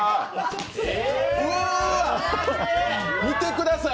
うわ、見てください。